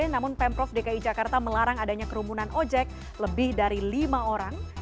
namun pemprov dki jakarta melarang adanya kerumunan ojek lebih dari lima orang